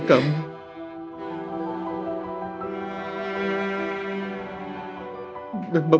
aku juga ingin tahu